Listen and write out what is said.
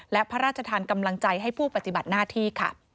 และพระราชทานกำลังใจให้ผู้ปฏิบัติหน้าที่ค่ะ